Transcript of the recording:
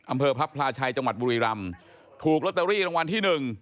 อำเภอพระพลาชัยจังหวัดบุรีรำถูกลอตเตอรี่รางวัลที่หนึ่ง